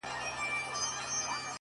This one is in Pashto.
ما خوب كړى جانانه د ښكلا پر ځـنــگانــه”